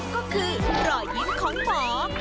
ก็คือรอยยิ้มของหมอ